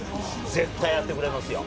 絶対やってくれますよ！